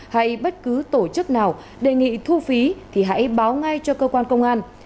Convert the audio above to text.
hay bất cứ tổ chức nào đề nghị thu phí thì hãy báo ngay cho cơ quan công an